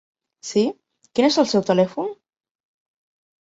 Sí, quin és el seu telèfon?